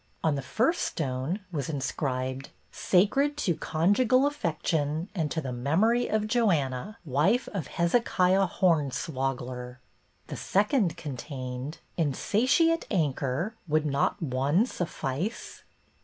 On the first stone was inscribed, " Sacred to conjugal affection and to the memory of Joanna, wife of Hezekiah Horn swogler." The second contained, " Insatiate archer, Would not one suffice?